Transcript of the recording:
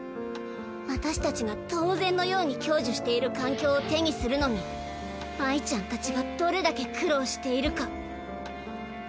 私たちが当然のように享受している環境を手にするのに真依ちゃんたちがどれだけ苦労しているか。